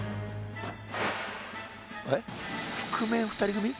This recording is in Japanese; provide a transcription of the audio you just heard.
えっ覆面２人組？